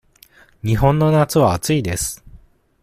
日本の夏は暑いです。